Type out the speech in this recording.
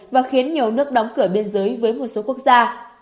và khiến nhiều nước đóng cửa biên giới với một số quốc gia